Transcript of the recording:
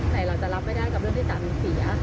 แต่เราจะรับไม่ได้กับเรื่องที่สามีเสีย